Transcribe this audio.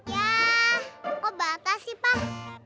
ya kok batas sih pak